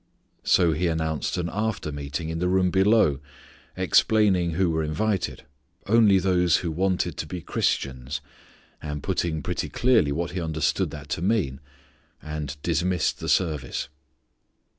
So he announced an after meeting in the room below, explaining who were invited: only those who wanted to be Christians; and putting pretty clearly what he understood that to mean, and dismissed the service.